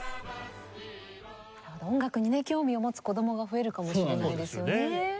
音楽にね興味を持つ子供が増えるかもしれないですよね。